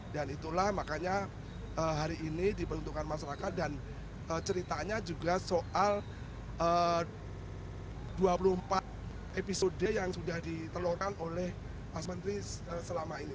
dan itulah makanya hari ini diperuntukkan masyarakat dan ceritanya juga soal dua puluh empat episode yang sudah ditelurkan oleh mas menteri selama ini